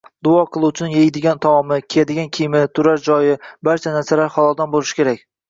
Duo qiluvchining yeydigan taomi, kiyadigan kiyimi, turarjoyi, barcha narsalari haloldan bo‘lishi kerak.